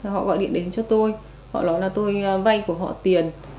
họ gọi điện đến cho tôi họ nói là tôi vay của họ tiền